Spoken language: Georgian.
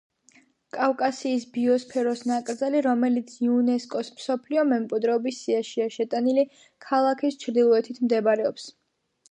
კავკასიის ბიოსფეროს ნაკრძალი, რომელიც იუნესკოს მსოფლიო მემკვირეობის სიაშია შეტანილი ქალაქის ჩრდილოეთით მდებარეობს.